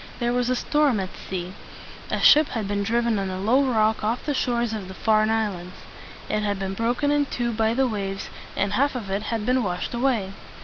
There was a storm at sea. A ship had been driven on a low rock off the shores of the Farne Islands. It had been broken in two by the waves, and half of it had been washed away.